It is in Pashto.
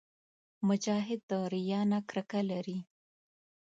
مجاهد د ریا نه کرکه لري.